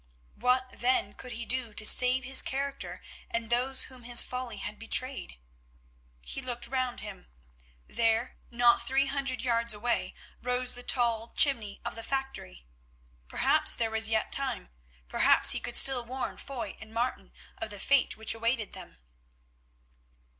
What, then, could he do to save his character and those whom his folly had betrayed? He looked round him; there, not three hundred yards away, rose the tall chimney of the factory. Perhaps there was yet time; perhaps he could still warn Foy and Martin of the fate which awaited them.